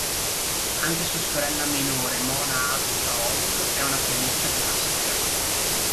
Anche sua sorella minore Mona Asuka Ott è una pianista classica.